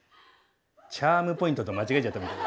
チャームポイントと間違えちゃったみたい。